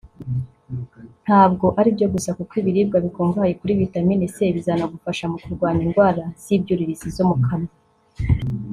ntabwo aribyo gusa kuko ibiribwa bikungahaye kuri Vitamine C bizanagufasha mu kurwanya indwara z’ibyuririzi zo mu kanwa